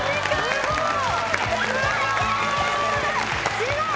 すごい！